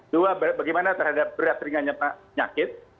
dua bagaimana terhadap berat ringan nyakit